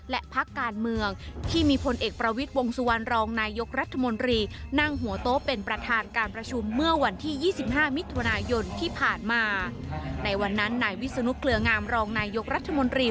และภาคการเมืองที่มีพลเอกประวิทย์วงสุวรรณรองนายกรัฐมนตรี